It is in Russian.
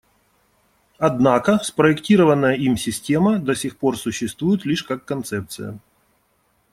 Однако спроектированная им система до сих пор существует лишь как концепция.